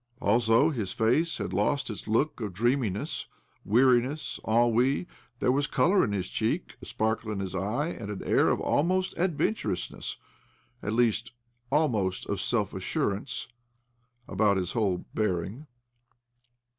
Also, his face had lost its look of dreaminess, weariness, ennui — there was colour in his cheek, a sparkle in his eye, and an air almt>st of adventurousness — at least, almost of self assurance — about ihis whole bearing.